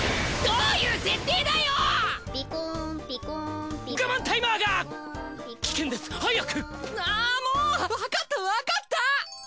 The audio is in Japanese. わかったわかった！